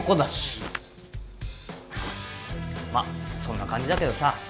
まっそんな感じだけどさ